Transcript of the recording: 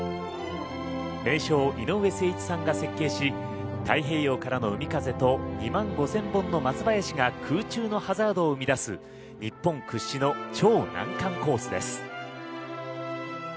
名匠・井上誠一さんが設計し太平洋からの海風と２万５０００本の松林が空中のハザードを生み出す日本屈指の超難関コースです。